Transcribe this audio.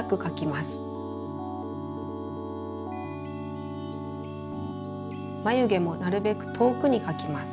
まゆげもなるべくとおくにかきます。